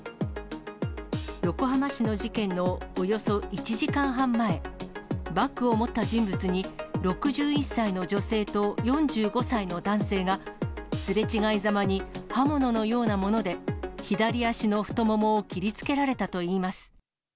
横浜市の事件のおよそ１時間半前、バッグを持った人物に６１歳の女性と４５歳の男性が、すれ違いざまに刃物のようなもので、左足の太ももを切りつけられたといいます。